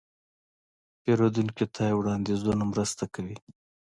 پیرودونکي ته وړاندیزونه مرسته کوي.